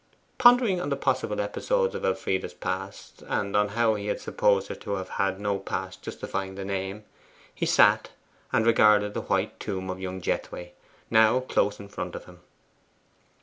Pondering on the possible episodes of Elfride's past life, and on how he had supposed her to have had no past justifying the name, he sat and regarded the white tomb of young Jethway, now close in front of him.